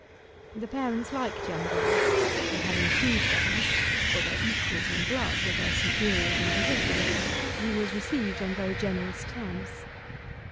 The parents liked young Graye, and having few friends (for their equals in blood were their superiors in position), he was received on very generous terms.